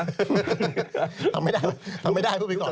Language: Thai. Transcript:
ทำไม่ได้ทำไม่ได้ผู้บิานก่อน